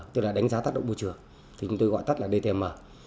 tức là đánh giá tác động môi trường thì chúng tôi gọi tắt là dtm